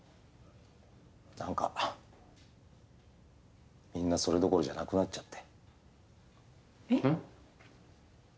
何かみんなそれどころじゃなくなっちゃって。